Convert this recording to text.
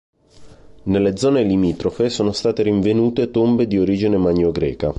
Nelle zone limitrofe sono state rinvenute tombe di origine magno-greca.